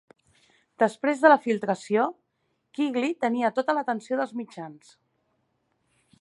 Després de la filtració, Quigley tenia tota l'atenció dels mitjans.